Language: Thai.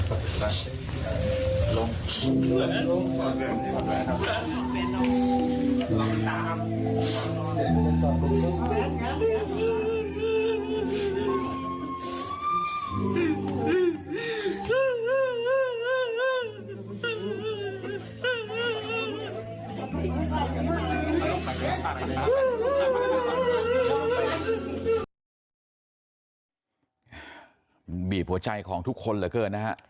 มันบีบหัวใจของทุกคนเหลือเกินนะฮะ